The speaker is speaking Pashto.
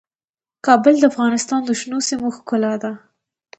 کابل د افغانستان د شنو سیمو ښکلا ده.